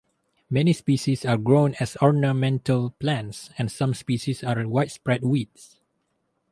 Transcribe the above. Many species are grown as ornamental plants, and some species are widespread weeds.